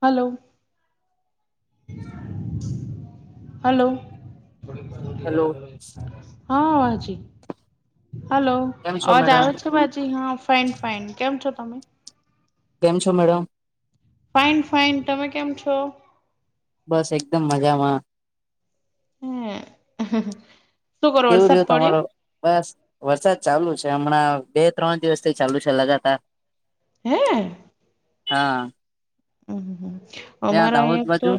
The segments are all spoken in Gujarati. [inaudible] Hello hello. હલો. હા જી હલો કેમ છો અવાજ મેડમ આવે છે જી હા ફેન્ડ ફાઈન કેમ છો તમે? કેમ છો મેડમ? ફાઈન ફાાઈન તમે કેમ છો? બસ એકદમ મજામાં. હમ. કેવું રહ્યું તમારો બસ વરસાદ ચાલુ છે. તે હમણાં બે ત્રણ દિવસ થી ચાલુ છે લગાતાર. હે હા. હમ ત્યાં અમારા દાહોદ એક તો. બાજુ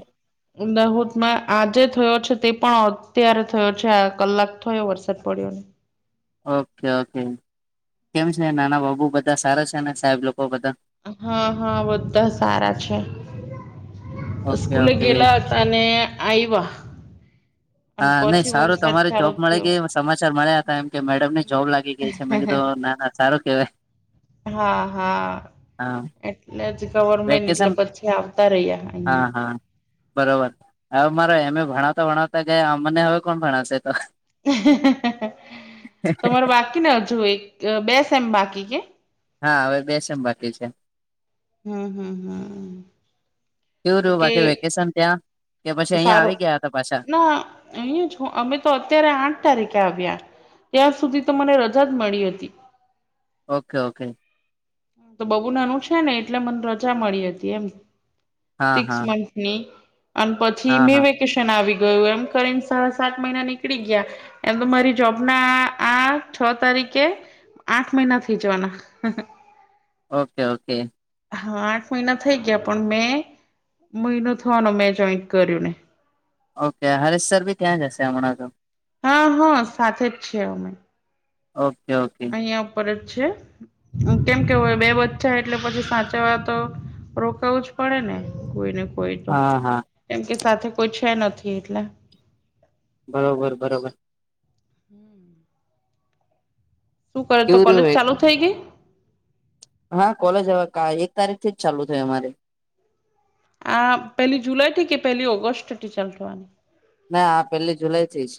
દાહોદમાં આજે થયો છે તે પણ અત્યારે થયો છે આ કલાક [unintelligible] ઓકે ઓકે કેમ છે નાના બાબુ બધા સારા છે ને સાહેબ લોકો બધા હા હા બધા સારા છે. ઓકે સ્કૂલે ઓકે ગેલા હતા અને આઈવા. હા નહી સારું તમારે જોબ મળી ગઈ સમાચાર મળ્યા હતા. એમ કે મેડમ ને જોબ લાગી ગઈ છે. મેં કીધું ના-ના સારું કેવાય. હા હા હા એટલે જ. ગવર્મેન્ટ એટલે વેકેશન પછી આવતા રહ્યા હા અહ્યાં. હા બરોબર હવે મારો એ. મે ભણાવતા ભણાવતા ગયા અમને હવે કોણ ભણાવશે તો. તમારે બાકીને હજુ એક બે સેમ બાકી કે. હા હવે બે સેમ બાકી છે. હમ હમ હમ કેવું તો રહ્યું કે બાકી વેકેશન ત્યાં. કે પછી અહિયાં સારું. આવી ગયા હતા પાછા? ના અહી છું અમે તો અત્યારે આઠ તારીખે આવ્યા. ત્યાં સુધી તો મને રજા જ મળી હતી. ઓકે ઓકે તો બબુ નાનું છે ને એટલે મને રજા મળી હતી એમ હા સિક્સ હા મંથની અને પછી હા મે હા વેકેશન આવી ગયું એમ કરીને સાડા સાત મહિના નીકળી ગયા એમ તો મારી જોબ ના આ છ તારીખ કે આઠ મહિના થઈ જવાના ઓકે ઓકે હા આઠ મહિના થઈ ગયા પણ મેં મહિનો થવાનો મેં જોઈન કર્યું ને ઓકે હરેશસર બી ત્યાં જશે હમણાં તો હા હા સાથે જ છે અમે.. ઓકે. ઓકે અહીંયા ઉપર છે. કેમ કે હવે બે બચ્ચા એટલે પછી સાચવા તો રોકાઉજ પડે ને કોઈને. કોઈ તો હા હા કેમ કે સાથે કોઈ છે નથી એટલે. બરોબર બરોબર. શું કરે તો કેવું કોલેજ રહ્યું ચાલુ થઈ ગઈ. હા કોલેજ હવે એક તારીખ થી જ ચાલુ થઇ અમારી. આ પહેલી જુલાઈથી કે પહેલી ઓગસ્ટથી ચાલુ થવાની? હ હા પેલી જુલાઈથી જ.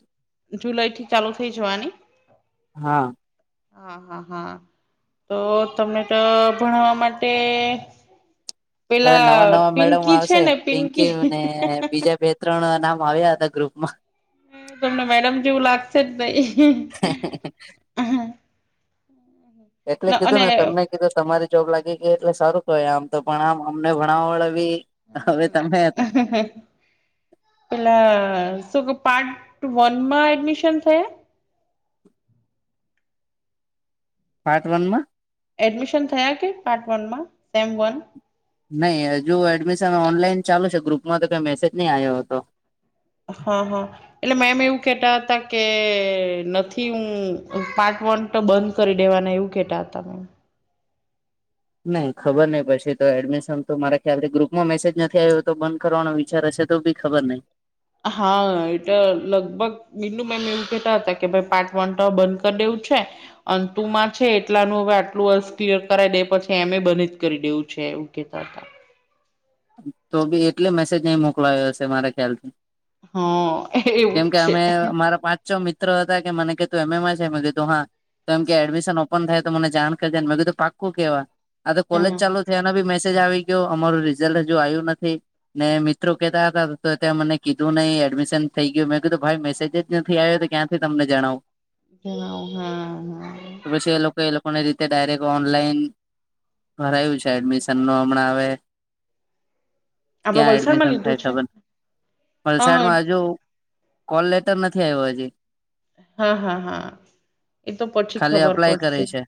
જુલાઈથી ચાલુ થઇ જવાની. હા હા હા હા. તો તમને તો ભણાવવા માટે હવે પેલા નવા-નવા મેડમ પિંકી છે આવશે. ને પીંકી પિંકી ને બીજા બે ત્રણ નામ આવ્યા હતા ગ્રુપ માં. તમને મેડમ જેવું લાગશે જ નહીં. એટલે કીધું ને તમને કીધું તમારી જોબ લાગી ગઈ એટલે સારું. હોય આમ તો પણ આમ અમને ભણાવાડા બી હવે હમ્મ તમે પેલા શું કે પાર્ટ વનમાં એડમિશન થયા. પાર્ટ વનમાં. એડમિશન થયા કે પાર્ટ વન માં સેમ વન. નહી હજુ એડમિશન ઓનલાઈન ચાલુ છે ગ્રુપમાં તો કઈ મેસેજ નહી આયો હતો. હા હા એટલે મેમ એવું કેતા હતા કે નથી હું પાંચ ફોન તો બંધ કરી દેવાના એવું કેતા હતા મેમ. નહી ખબર નહિ પછી તો એડમિશન તો મારે ખ્યાલથી ગ્રુપમાં મેસેજ નથી આવ્યો તો બંધ કરવાનો વિચાર જ છે. તો ભી ખબર નહી. હા એટલે લગભગ બીનુ મેમ એવું કેતા હતા કે ભઈ પાર્ટ વન તો બંધ કરી દેવ. છે. અંતુમાં છે એટલાનું હવે આટલું વર્ષ ક્લીયર કરાવ દે પછી એમે બને જ કરી દેવું છે. તે એવું કેતા હતા. તો બી એટલે મેસેજ નહી, મોકલા્યો હશે મારા ખ્યાલથી હા એવું કેમ, જ કે છે અમે અમારા પાંચ મિત્રો હતા કે મને ક તું એમેમાં છે. મેં કીધું હા તો એમ કે એડમિશન ઓપન થાય તો મને જાણ કરજને, મે બી તો પાક્કું કેવા આ તો કોલેજ હમ ચાલુ થયા, એનો બી મેસેજ આવી ગયો અમારું રી રઝલ્ટ હજુ આવ્યું નથી ને મિત્રો કતા હતા તો ત્યાં મને કીધું નહી, એડમિશન થઈ ગયું મેં કીધુ ભાઈ મેસેજ જ નથી, આવ્યો તો ક્યાંથી તમને જણાવુ જ હા, હા કોને રીતે ડાયરેક્ટ ઓનલાઈન કરરાયું છે, એડમિશન ન હમણા હ આપડે ક્યા, વલસાડમાં એડમિશન લીધું થાય છે ખબર હા વલસાડમા, હજુ કોલ લેટર નથી, આવ્યો હજી હા હા હા એ તો પછી ખાલી ખબર અપ્લાય કરે પડશે. છે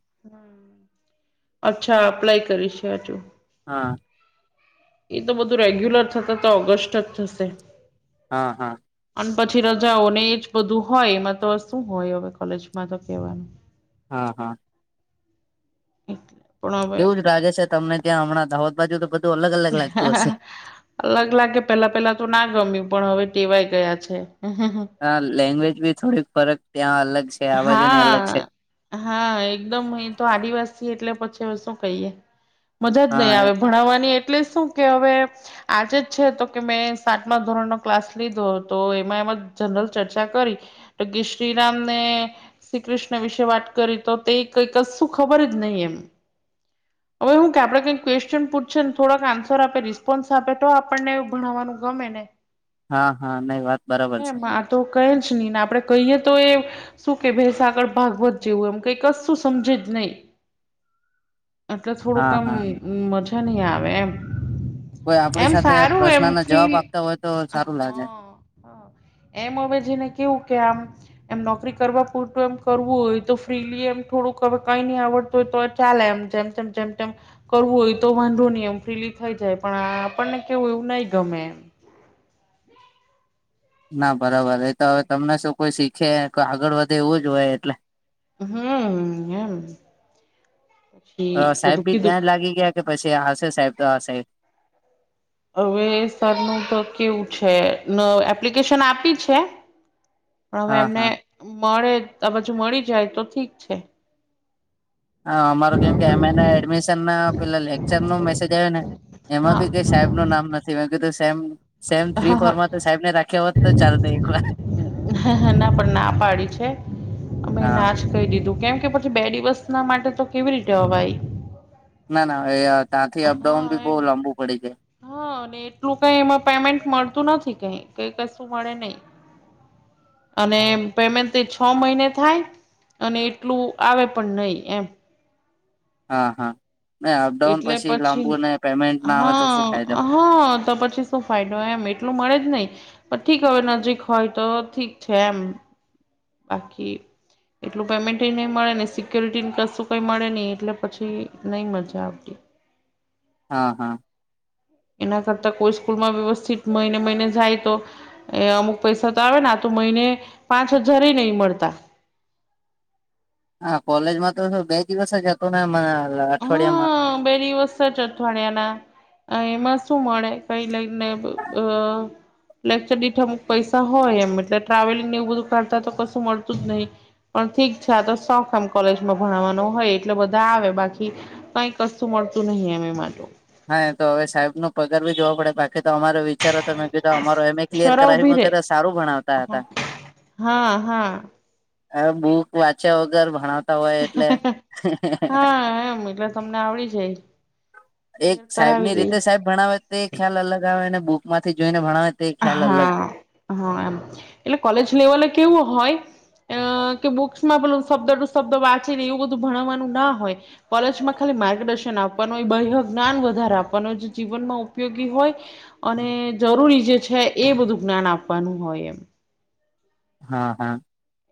અચ્છા અપ્લાય કરીશે હજુ. હા. એ તો બધું રેગ્યુલર થતા તો ઓગસ્ટ જ થશે. હા હા. પછી રજાઓને એજ બધું હોય એમાં તો શું હોય હવે કોલેજમાં તો કેવાનું. હા હા. એટલે. પણ હવે એવું જ લાગે છે તમને ત્યાં હમણાં દાહોદ બાજુ તો બધ અલગ લાગે. પેલા-પેલા તો ના ગમ્યું પણ હવે ટેવાય ગયા છે. હા લેંગ્વેજ બી થોડીક ફરક ત્યાં અલગ. છે આ બાજુ ને અલગ છે હા, હા એકદમ એ તો આદિવાસી એટલે પછી શું કહીએ મદદ નહીં હા આવે ભણાવવાની એટ એટલે શું કે હવે આજે છે, તો કે મેં સાતમા ધોરણ નો ક્લાસ લીધો તો એમા જનરલ, ચર્ચા કરી તો કે શ્રીરામ ને શ્રી કૃષ્ણ વિશે વાત કરી તો તે કઈક શું ખબર જ નહી એમ હવે, હુ કે આપણે કઈ ક્વેશ્ચન પૂછે ને થોડાક આન્સર આપે રિસ્પોન્સ આપે તો આપણને એવ ભણાવવાનું ગમે ને હા, હા નઈ વાત બરાબર છે. એમ આ તો કઈ નહી, ને આપડે કહીએ તો એ શું કે ભેસાગળ ભાગવત જેવુ, એમ કઈકશું સમજે જ નહી એટલે થોડુંક, હા આમ હા મજા નહી. આવે એમ કોઈ આપડી, એમ સાથે સારું એમ પ્રશ્નના જવાબ ફીલ આપતા હોય. તો સારું હા લાગે હા એમ હમે, જેને કેવુ કે આમ એમ નોકરી કરવા પૂરતું એમ કરવું હોય તો ફ્રીલી એમ થોડું કઈ નહી આવડતું હોય તો ચાલે એમ જેમ તેમ તેમ કરવું હોય તો વાંધો નહી એમ ફ્રીલી થઈ જાય પણ આપણને કેવું એવું નહી ગમે એમ હ ના બરાબર એ તો, હવે તમને શું કોઈ શીખે આગળ વધે એવું જ હોય એટલે હમ, હમ સાહેબ બી ત્યાં જ લાગી ગયા કે પછી હશે સાહેબ તો આ સાહેબ હવે સરનું તો કેવું છે, ન એપ્લિકેશન આપી છે. પણ હવે હા એમને હા મળે આ બાજુ મળી જાય તો ઠીક છે. હા, અમાર કેમ કે અમે એને એડમિશન ના પેલા લેક્ચર નો મેસેજ આવે ને એમાં બી કઈ હા સાહેબ નું નામ નથી મે કીધું સેમ સેમ હા થ્રી ફોર માં તો સાહેબ ને રાખ્યા હોત તો ચાલત એક વાર હ, હ એને ના પણ ના પાડી છે, અમે હા ના જ કહી દીધું કેમ કે પછી, બે દિવસ ના માટે તો કેવી રીતે અવાય ના, ના એ ત્યાંથી હા અપડાઉન બી બહુ એમ લાંબુ પડી જાય હા અને એટલું કઈ એમાં પેમેન્ટ મળતું નથી કઈ કઈ કશું મળે નહી અને પેમેન્ટ તે છ મહિને થાય. અને એટલું આવે પણ નહી એમ હા હા અપડાઉન પછી લાંબુ અને પે હા હા તો પછી શું ફાયદો એમ એટલું મળે જ નહી. પણ ઠીક હવે નજીક હોય તો ઠીક છે એમ બાકી એટલું પેમેન્ટ નહી મળે ને સિક્યોરિટીને કશું કઈ મળે નહી એટલે પછી નઈ મજા આવતી. હમ. હા હા. એના કરતા કોઈ સ્કૂલમાં વ્યવસ્થિત મહિને મહિને જાય તો એ અમુક પૈસા તો આવે ને હાથ ઉપર મહિને પાંચ હજારે નહી મળતા હા કોલેજ માં તો બે દિવસ જ હતો ને મને હમ તે દિવસે જ અઠવાડિયાના એમાં શું મળે કઈ લઈને અ લેક્ચર દીઠ અમુક પૈસા હોય એમ એટલે ટ્રાવેલિંગ એવું બધું કરાતા તો કશું મળતું જ નહી પણ ઠીક છે, આ તો શોખ એમ કોલેજમાં ભણાવવા હોય એટલે બધા આવે બાકી કઈ કશું મળતું નહી અમે મા હા, એ તો હવે સાહેબ નો પગાર ભી જોવા પડે બાકી તો અમારે વિચારો તો મે કીધ અમારો એમ એ ક્લિયર શ્વરા કરાવી ઉભી રે મુકે તો સારું ભણાવતા હા હતા હા, હા અ બુક વાંચ્યા વગર ભણાવ હા, એમ એટલે તમને આવડી જાય એક ક્લિયર સાહેબ કરાવી ની દઈ રીતે સાહેબ ભણાવે તે ખ્યાલ અલગ આવે ને બુક માંથી જોઈને ભણાવે તે ખ્યાલ અલગ હા, હા આમ એટલે કોલેજ લેવલે કેવું હોય અ અ કે બુક્સમાં શબ્દ ટુ શબ્દ વાંચીને એવું બધું ભણવાનું ના હોય કોલેજમાં ખાલી માર્ગદર્શન શિક્ષણ આપવાનું બહેરું જ્ઞાન વધારે આપવાનો જીવનમાં ઉપયોગી હોય અને જરૂરી જે છે છે એ બધું જ્ઞાન આપવાનું હોય એમ હા હા.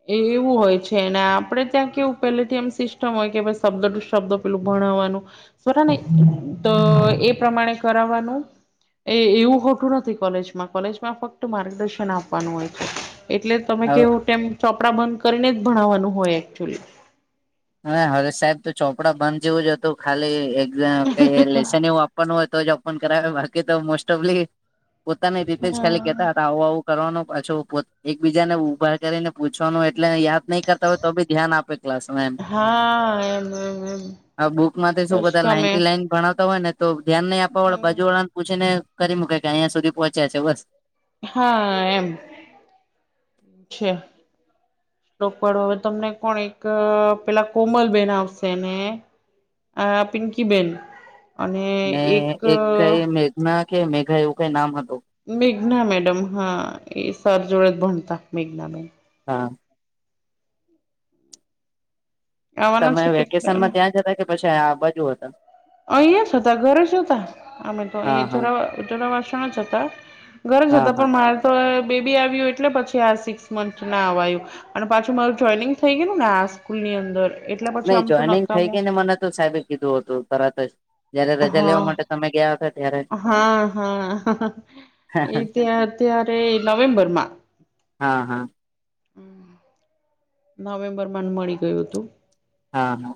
એ એવું હોય છે ને આપડે ત્યાં કેવું પેલેથી એમ સિસ્ટમ હોય કે શબ્દ ટુ શબ્દ પેલું ભણાવવા ભણાવવાનું સ્વરા ને તો એ પ્રમાણે કરાવવાનું. એ એવું ખોટું નથી કોલેજમાં કોલેજમાં ફક્ત માર્ગદર્શન આપવાનું હોય છે. એટલે તમે કેવો તેમ ચોપડા બંધ કરીને જ ભણાવવાનું હોય એકચુલી હા હવે સાહેબ તો ચોપડા બંધ જેવું જ હતું ખાલી એક્ઝામ કઈ લેેશન એવું આપવાનું હોય તો. ફોન કારવે બાકી તો મોસ્ટ ઓફલી પોતાની રીતે જ ખાલી હા. કેતા હતા આવું આવું કરવાનું. પાછું એકબીજા ને ઉભા કરીને પૂછવાનું એટલે યાદ નહી કરતા હોય તો બી ધ્યાન આપે ક્લાસ હા એમ એમ એમ આ બુકમાં તે શું બસ બધા લાઈન તમે ટી લાઈન ભણ તો હોયને તો ધ્યાન નહી આપવા વાળા હમ બાજુ વાળા ને પૂછીને કરી મૂકે કે અહીં સુધી પહોંચ્યા છે બસ હા એમ છે. સોકવાળો હવે તમને કોણ એક પેલા કોમલ બેન આવશે ને આ પિંકીબેન ને એક કઈ મેઘના કે મેઘા એવું કઈ નામ હતું. મેઘના મેડમ હા એ સર જોડે જ ભણતા મેઘના મેમ હા. આવાના તમે છે કે વેકેશન માં ત્યાં જતા કે પછી આ બાજુ હતા. અહીયા જ હતા ઘરે જ હતા અમે તો હા અહી હા જરા વાર જરા વાર શાંત હતા. ગરજ હા હતા હા. પણ મારે તો એ બેબી આવયુ એટલે પછી આ સિક્સ મંથ ના અવાયું, અને પાછી મારું જોઈનિંગ થઈ ગેયલું ને આ સ્કૂ ની અંદર એટલે પછી નઈ આમ તો જોઈનિંગ થઈ નકામું ગેઈ ને મને તો સાહેબે કીધું હતું, તરત જ. જયારે રજા લેવા હા માટે તમે ગીયા હતા ત્યારે હા હા હા એ ત્યાર ત્યારે નવેમ્બર માં હા હા. હમ નવેમ્બરમાં મળી ગયું હતું. હા હા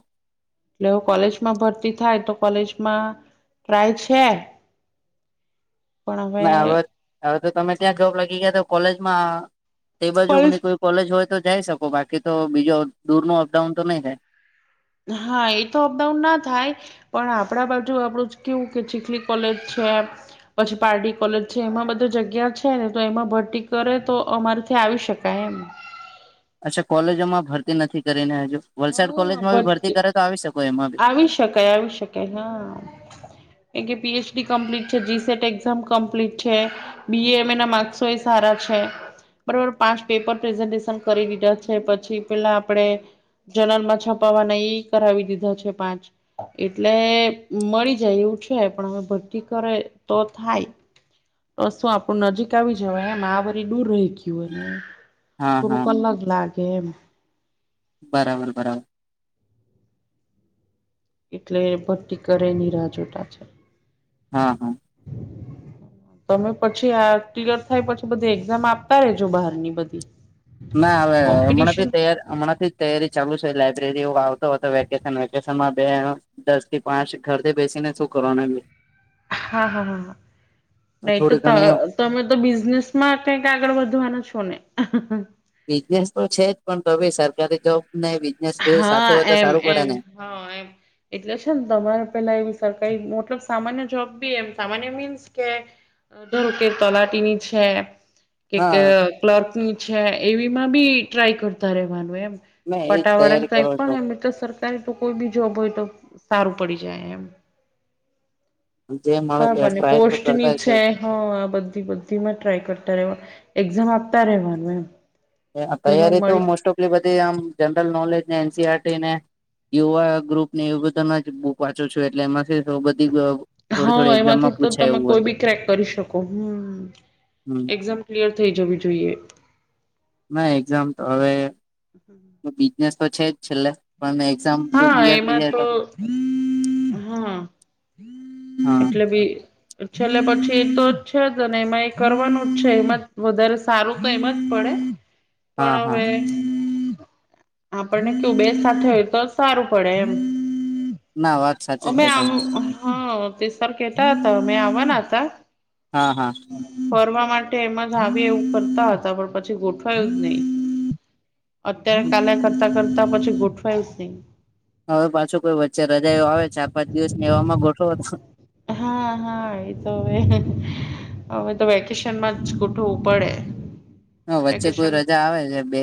એટલે અવે કોલેજમાં ભરતી થાય તો કોલેજમાં ટ્રાય છે. પણ અવે ના હવે હવે તો તમે ત્યાં જોબ લાગી ગયા તો કોલેજમાં, તે કોલેજ બાજુગની કોઈ કોલેજ હોય તો જાઈ શકો બાકી તો બીજું દૂર ન અપડાઉન તો નઈ થાય. હા! એ તો અપડાઉન ના થાય પણ આપણા બાજુ આપડુંજ કેવું કે ચીખલી કોલેજ છે, પછી પારડી કોલેજ છે એમાં બધે જગ્યા છેને એમાં ભરતી કરે તો અમારે ત્યા આવી શકાય એમ અચ્છા કોલેજોમાં ભરતી નથી કરી ને અજુ વલસાડ હા કોલેજમાં બી બટ ભરતી કરે તો આવી શક આવી શકાય, આવી શકાય હા! એ કે પીએચડી કમ્પ્લીટ છે, જી સેટ એક્ઝામ કમ્પ્લીટ છે, બીએ એમ એ ના માર્ક્સોએ સારા છે. છે બરોબર પાંચ પેપર પ્રેઝન્ટેશન કરી લીધા છે પછી પેલા આપડે જનાલ માં છપાવાના ઇ કરાવી દીધા છે. પાંચ એટલે મળી જાય એવું છે, પણ અવે ભરતી કરે તો થાય. તો શું આપણું નજીક આવી જવાય એમ આ વરી દૂર રહી ગીયું. હા થોડુક હા અલગ લાગે એમ. બરાબર બરાબર એટલે ભરટી કરે ની રાહ જોતા છે. હા હા. તમે પછી આ ક્લિયર થાય પછી બધી એક્ઝામ આપતા રેજો બહારની બધી. ના અવે હમણાંથી કોમ્પિટિશન તૈયારી હમણાંથી તૈયારી ચાલુ છે. લાયબ્રેરી એવુ આવતો હતો વેકેશન વેકેશનમાં બે દસ થી પાંચ ઘરથી બેસીને શું કરવાનો હ [unintelligible] હા હા હા હા નઈ ત થોડી તો ઘણી તમે તો બિઝનેસ માં કઈક આગળ વધવાના છો ને? બિઝનેસ તો છે જ પણ તો બી સરકારી જોબ ને બી હા એમ એમ હા એમ એટલે છે ને તમારે પેલા એવી સરકારી લબ સામાન્ય જોબ બી એમ સામાન્ય મીન્સ કેવું કે તલાટીની છે, કે કે હા ક્લર્ક નું છે એવીમાં બી ટ્રાય કરતા રેવાનું એમ. મેં એજ પટાવાળા તૈયારી કઈ કરો પણ છો એમ એ તો સરકારી તો કોઈ બી જોબ હોય તો સારું પડી જાય એમ. જે મળે તે બરાબર ને ટ્રાય તો પોસ્ટની કરતા છે એક્ઝામ આપતા રેહવાનું એમ. અ જેમાં તૈયારી તો મળી મોસ્ટ ઓફલી બધી આમ જનરલ નોલેજ ને સીઆરટી, ને યુવા ગ્રુપ, ને એવું બધાના જ બુક વાંચું છું એટલે એમાંથીજ બધી વબ હા! એમાંથી તો તમે કોઈ બી ક્રેક કરી શકો. [inaudible] હમ હમ એક્ઝામ ક્લિયર થઈ જવી જોઈએ. ના એક્ઝામ તો અવે બિજનેસ તો છે જ છેલ્લે. પણ એક્ઝામ હા ક્લિયર થઈ એમાં જાય તો હા હા એટલે બી છેલ્લે પછી એ તો જ છે જ અને એમાં એ કરવાનું જ છે, એમાંજ વધારે સારું તો એમાં જ પડે. પણ હા હા અવે આપણને કીઉ બે સાથે હોય તો સારું પડે એમ, ના વાત સાચી અમે છે આવ તમારી હા કેતા હતા મેં આવાના હતા હા હા ફર માટે એમાં જ આવી એવું કરતા હતા પણ પછી ગોઠવાયું જ નહી અત્યારે કાલે કરતા કરતા પછી ગોઠવાય છે. હવે પાછું કોઈ વચ્ચે રજા એવ આવે ચાર પાંચ દિવસને એવામાં ગોઠવો તો, હા હા એ તો હવે હવે, તો વેકેશનમાં જ ગોઠવવું પડે હ, વચ્ચે કોઈ વેકેશન રજા આવે બે